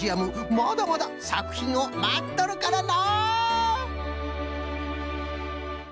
まだまださくひんをまっとるからの！